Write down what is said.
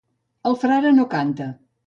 El frare no canta.